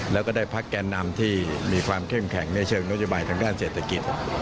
แล้วก็ได้พักแกนนำที่มีความเข้มแข็งในเชิงนโยบายทางด้านเศรษฐกิจ